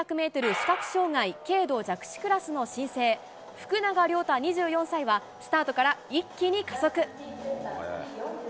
視覚障害軽度弱視クラスの新星、福永凌太２４歳は、スタートから一気に加速。